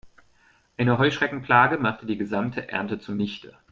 Eine Heuschreckenplage machte die gesamte Ernte zunichte.